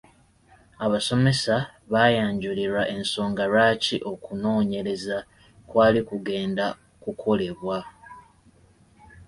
Abasomesa baayanjulirwa ensonga lwaki okunoonyereza kwali kugenda kukolebwa.